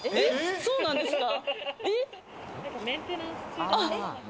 そうなんですか？